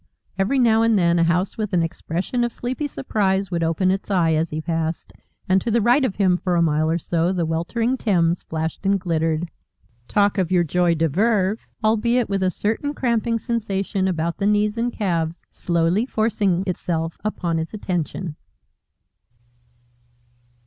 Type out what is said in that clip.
Every now and then a house with an expression of sleepy surprise would open its eye as he passed, and to the right of him for a mile or so the weltering Thames flashed and glittered. Talk of your joie de vivre. Albeit with a certain cramping sensation about the knees and calves slowly forcing itself upon his attention.